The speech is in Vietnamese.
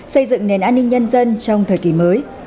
xây dựng nền an ninh nhân dân trong thời kỳ mới